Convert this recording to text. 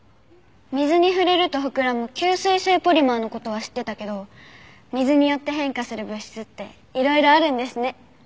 水に触れると膨らむ吸水性ポリマーの事は知ってたけど水によって変化する物質っていろいろあるんですね。